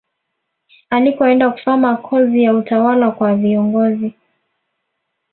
Alikoenda kusoma kozi ya utawala kwa viongozi